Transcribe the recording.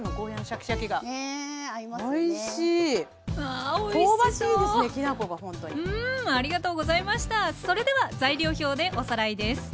それでは材料表でおさらいです。